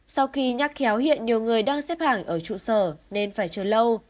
sau khi nhắc khéo hiện nhiều người đang xếp hàng ở trụ sở nên phải chờ lâu